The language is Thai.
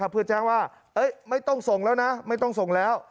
เพื่อแจ้งว่าไม่ต้องส่งแล้วนะไม่ต้องส่งแล้ว